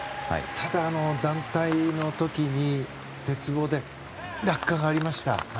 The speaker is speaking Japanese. ただ、団体の時に鉄棒で落下がありました。